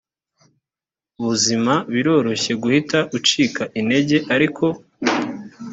buzima biroroshye guhita ucika intege ariko